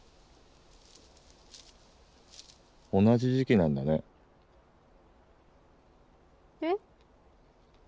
同じ時期なんだね。え？